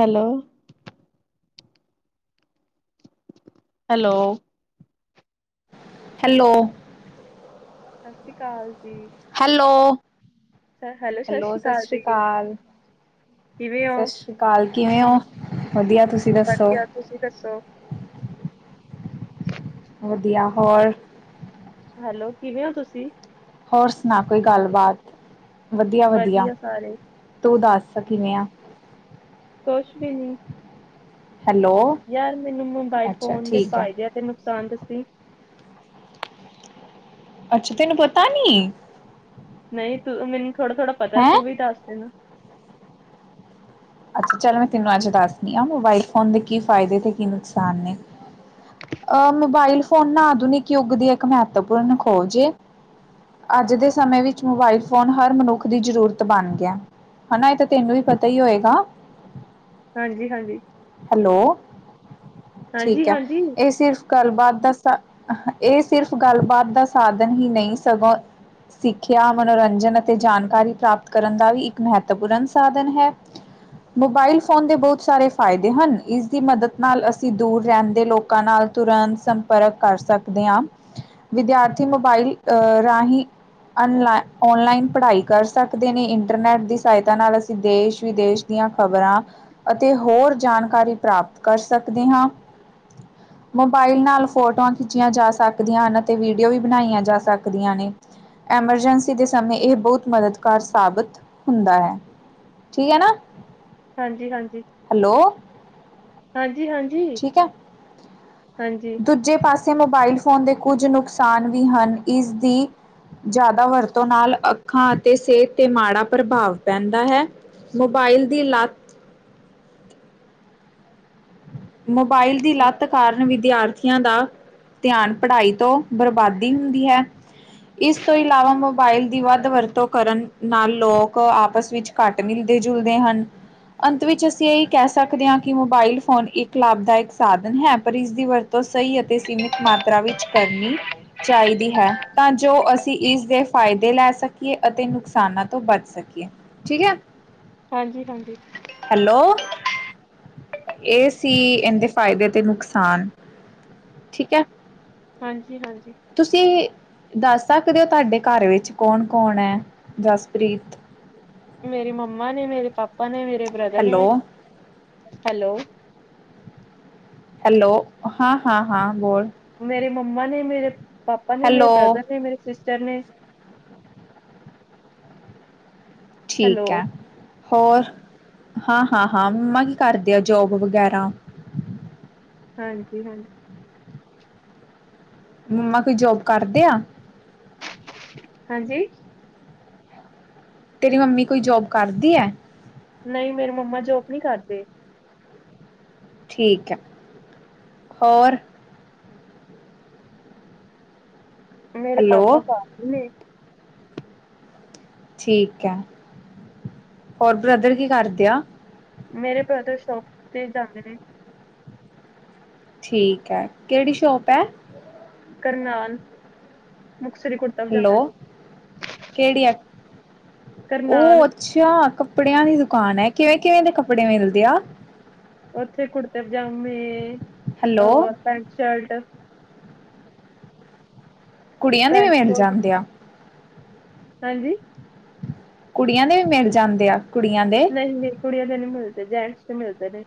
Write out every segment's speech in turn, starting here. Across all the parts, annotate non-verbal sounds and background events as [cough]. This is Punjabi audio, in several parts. ਹੈਲੋ ਹੈਲੋ ਹੈਲੋ ਸਸ ਸ੍ਰੀ ਕਾਲ ਜੀ। ਹੈਲੋ, ਸਤਿ ਹੈਲੋ ਸਸ ਅਕਾਲ ਸ੍ਰੀ ਜੀ, ਕਾਲ ਕਿਵੇਂ ਹੋ? ਸਸ ਸ੍ਰੀ ਕਾਲ ਕਿਵੇਂ ਹੋ ਵਧੀਆ ਤੁਸੀ ਵਧੀਆ ਤੁਸੀ ਦੱਸੋ। ਵਧਿਆ, ਹੋਰ? ਹੈਲੋ, ਕਿਵੇਂ ਹੋ ਤੁਸੀਂ? ਹੋਰ ਸੁਣਾ ਕੋਈ ਗੱਲਬਾਤ? ਵਧੀਆ-ਵਧੀਆ, ਵਧੀਆ ਸਾਰੇ, ਤੂੰ ਦੱਸ ਕਿਵੇਂ ਆ? ਕੁਛ ਵੀ ਨੀ ਹੈਲੋ ਯਾਰ ਮੈਨੂੰ ਮੋਬਾਇਲ ਅੱਛਾ ਫੋਨ ਦੇ ਠੀਕ ਹੈ। ਫਾਇਦੇ ਅਤੇ ਨੁਕਸਾਨ ਦੱਸੀ ਅੱਛਾ, ਤੈਨੂੰ ਪਤਾ ਨੀ! ਨਹੀਂ ਤੂੰ ਮੈਨੂੰ ਥੋੜਾ-ਥੋੜਾ ਪਤਾ ਹੈ, ਹੈਂ ਤੂੰ ਵੀ ਦੱਸ ਦੇ ਨਾ। ਅੱਛਾ, ਚੱਲ ਮੈਂ ਤੈਨੂੰ ਅੱਜ ਦੱਸਦੀ ਹਾਂ ਮੋਬਾਇਲ ਫ਼ੋਨ ਦੇ ਕਿ ਫਾਇਦੇ ਤੇ ਕਿ ਨੁਕਸਾਨ ਨੇ। ਅਹ ਮੋਬਾਇਲ ਫੋਨ ਨਾ ਆਧੁਨਿਕ ਯੁੱਗ ਦੀ ਇੱਕ ਮਹੱਤਵਪੂਰਨ ਖੋਜੇ ਏ। ਅੱਜ ਦੇ ਸਮੇਂ ਵਿੱਚ ਮੋਬਾਇਲ ਫੋਨ ਹਰ ਮਨੁੱਖ ਦੀ ਜ਼ਰੂਰਤ ਬਣ ਗਿਆ। ਹੈਨਾ, ਇਹ ਤੇ ਤੈਨੂੰ ਵੀ ਪਤਾ ਹੀ ਹੋਏਗਾ। ਹਾਂਜੀ-ਹਾਂਜੀ ਹੈਲੋ, ਠੀਕ ਹੈ ਹਾਂਜੀ-ਹਾਂਜੀ, ਇਹ ਸਿਰਫ਼ ਗੱਲਬਾਤ ਦਾ ਸਾਂ ਇਹ ਸਿਰਫ਼ ਗੱਲਬਾਤ ਦਾ ਸਾਧਨ ਹੀ ਨਹੀਂ ਸਗੋਂ ਸਿੱਖਿਆ, ਮਨੋਰੰਜਨ ਅਤੇ ਜਾਣਕਾਰੀ ਪ੍ਰਾਪਤ ਕਰਨ ਦਾ ਵੀ ਇੱਕ ਮਹੱਤਵਪੂਰਨ ਸਾਧਨ ਹੈ ਮੋਬਾਇਲ ਫ਼ੋਨ ਦੇ ਬਹੁਤ ਸਾਰੇ ਫਾਇਦੇ ਹਨ ਇਸ ਦੀ ਮਦਦ ਨਾਲ ਅਸੀਂ ਦੂਰ ਰਹਿੰਦੇ ਲੋਕਾਂ ਨਾਲ ਤੁਰੰਤ ਸੰਪਰਕ ਕਰ ਸਕਦੇ ਹਾਂ ਵਿਦਿਆਰਥੀ ਮੋਬਾਈਲ ਅਹ ਰਾਹੀਂ ਅਨਲਾ ਔਨਲਾਈਨ ਪੜ੍ਹਾਈ ਕਰ ਸਕਦੇ ਨੇ ਇੰਟਰਨੈਟ ਦੀ ਸਹਾਇਤਾ ਨਾਲ ਅਸੀਂ ਦੇਸ਼ -ਵਿਦੇਸ਼ ਦੀਆਂ ਖ਼ਬਰਾਂ ਅਤੇ ਹੋਰ ਜਾਣਕਾਰੀ ਪ੍ਰਾਪਤ ਕਰ ਸਕਦੇ ਹਾਂ। ਹ [inaudible] ਮੋਬਾਇਲ ਨਾਲ ਫੋਟੋਆਂ ਖਿੱਚੀਆਂ ਜਾ ਸਕਦੀਆਂ ਹਨ ਅਤੇ ਵੀਡੀਓ ਵੀ ਬਣਾਈਆਂ ਜਾ ਸਕਦੀਆਂ ਨੇ। ਐਮਰਜੈਂਸੀ ਦੇ ਸਮੇਂ ਇਹ ਬਹੁਤ ਮਦਦਗਾਰ ਸਾਬਤ ਹੁੰਦਾ ਹੈ। ਠੀਕ ਹੈ ਨਾ। ਹਾਂਜੀ -ਹਾਂਜੀ, ਹੈਲੋ ਹਾਂਜੀ- ਹਾਂਜੀ। ਠੀਕ ਹੈ, ਦੂਜ ਜੇ ਪਾਸੇ ਮੋਬਾਇਲ ਫੋਨ ਦੇ ਕੁੱਝ ਨੁਕਸਾਨ ਵੀ ਹਨ ਇਸਦੀ ਜ਼ਿਆਦਾ ਵਰਤੋਂ ਨਾਲ ਅੱਖਾਂ ਅਤੇ ਸਿਹਤ ਤੇ ਮਾੜਾ ਪ੍ਰਭਾਵ ਪੈਂਦਾ ਹੈ। ਮੋਬਾਈਲ ਦੀ ਲੱਤ ਮੋਬਾਇਲ ਦੀ ਲੱਤ ਕਾਰਨ ਵਿਦਿਆਰਥੀ ਥਿਆਂ ਦਾ ਧਿਆਨ ਪੜ੍ਹਾਈ ਤੋਂ ਬਰਬਾਦੀ ਹੁੰਦੀ ਹੈ। ਇਸ ਤੋਂ ਇਲਾਵਾ ਮੋ ਬਾਇਲ ਦੀ ਵੱਧ ਵਰਤੋਂ ਕਰਨ ਨਾਲ ਲੋਕ ਆਪਸ ਵਿੱਚ ਘੱਟ ਮਿਲਦੇ ਜੁਲਦੇ ਹਨ। ਅੰਤ ਵਿਚ ਅਸੀਂ ਇਹੀ ਕਹਿ ਸਕਦੇ ਹਾਂ ਕਿ ਮੋਬਾਇਲ ਫੋਨ ਇੱਕ ਲਾਭਦਾਇਕ ਸਾਧਨ ਹੈ ਪਰ ਇਸ ਦੀ ਵਰ ਤੋਂ ਸਹੀ ਅਤੇ ਸੀਮਿਤ ਮਾਤਰਾ ਵਿੱਚ ਕਰਨੀ ਚਾਹੀਦੀ ਹੈ। ਤਾਂ ਜੋ ਅਸੀਂ ਇਸਦੇ ਫਾਇਦੇ ਲੈ ਸਕੀਏ ਅਤੇ ਨੁਕਸਾਨਾਂ ਤੋਂ ਬਚ ਸਕੀਏ, ਠੀਕ ਹੈ। ਹਾਂਜੀ-ਹਾਂਜੀ ਹੈਲੋ! ਇਸ -ਸੀ ਇਹਦੇ ਫਾਇਦੇ ਤੇ ਨੁਕਸਾਨ ਠੀਕ ਹੈ। ਹਾਂਜੀ-ਹਾਂਜੀ ਤੁਸੀਂ ਦੱਸ ਸਕਦੇ ਹੋ ਤੁਹਾਡੇ ਘਰ ਵਿੱਚ ਕੌਣ- ਕੌਣ ਹੈ, ਜਸਪ੍ਰੀਤ। ਮੇਰੀ ਮੰਮਾ ਨੇ, ਮੇਰੇ ਪਾਪਾ ਨੇ, ਮੇਰੇ ਬ੍ਰਦਰ ਨੇ, ਹੈਲੋ ਹੈਲੋ! ਹੈਲੋ! ਹਾਂ -ਹਾਂ -ਹਾਂ ਬੋਲ। ਮੇਰੇ ਮੰਮਾ ਨੇ, ਮੇਰੇ ਪਾਪਾ ਨੇ, ਹੈਲੋ ਮੇਰੇ ਬ੍ਰਦਰ ਨੇ, ਮੇਰੇ ਸਿਸਟਰ ਨੇ। ਹੈਲੋ ਠੀਕ ਹੈ। ਹੋਰ ਹਾਂ -ਹਾਂ -ਹਾਂ ਮੰਮਾ ਕੀ ਕਰਦੇ ਆ ਜੋਬ ਵਗੈਰਾ? ਹਾਂਜੀ -ਹਾਂਜੀ। ਮੰਮਾ ਕੋਈ ਜੋਬ ਕਰਦੇ ਆ? ਹਾਂਜੀ? ਤੇਰੀ ਮੰਮੀ ਕੋਈ ਜੋਬ ਕਰਦੀ ਹੈ? ਨਹੀਂ ਮੇਰੇ ਮੰਮਾ ਜੋਬ ਨਹੀਂ ਕਰਦੇ। ਠੀਕ ਹੈ। ਹੋਰ? ਮੇਰੇ ਹੈਲੋ ਪਾਪਾ [unintelligible] ਨੇ। ਠੀਕ ਹੈ। ਹੋਰ ਬ੍ਰਦਰ ਕੀ ਕਰਦੇ ਆ? ਮੇਰੇ ਬ੍ਰਦਰ ਸ਼ੋਪ ਤੇ ਜਾਂਦੇ ਨੇ। ਠੀਕ ਹੈ। ਕਿਹੜੀ ਸ਼ੋਪ ਹੈ? ਕਰਨਾਲ, ਮੁਕਸਰੀ ਕੁ ਹੈਲੋ, ਕਿਹੜੀ ਆ, ਉਹ ਕਰਨਾਲ ਅੱਛਾ ਕੱਪੜਿਆਂ ਦੀ ਦੁਕਾਨ ਹੈ। ਕਿਵੇਂ ਕਿਵੇਂ ਦੇ ਕੱਪੜੇ ਮਿਲਦੇ ਆ? ਉੱਥੇ ਕੁੜਤੇ ਪਜਾਮੇ, ਹੈਲੋ ਅ ਪੈਂਟ ਸ਼ਲਟ। ਕੁੜੀਆਂ ਦੇ ਵੀ ਪੈਂਟ ਮਿਲ ਕੋਟ ਜਾਂਦੇ ਆ? ਹਾਂਜੀ? ਕੁੜੀਆਂ ਦੇ ਵੀ ਮਿਲ ਜਾਂਦੇ? ਆ ਕੁੜੀਆਂ ਦੇ? ਨਹੀਂ-ਨਹੀਂ, ਕੁੜੀਆਂ ਦੇ ਨੀ ਮਿਲਦੇ। ਜੈਂਟਸ ਚ ਮਿਲਦੇ ਨੇ।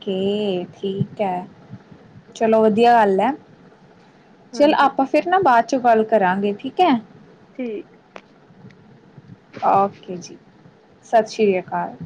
ਕੇ, ਠੀਕ ਹੈ, ਚਲੋ ਵਧੀਆ ਗੱਲ ਹੈ। ਚੱਲ ਹਾਂਜੀ ਆਪਾਂ ਫਿਰ ਨਾ ਬਾਅਦ ਚੋਂ ਗੱਲ ਕਰਾਂਗੇ ਠੀਕ ਹੈ। ਠੀਕ। ਓਕੇ ਜੀ। ਸਤਿ ਸ੍ਰੀ ਅਕਾਲ।